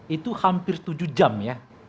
itu hampir tujuh jam ya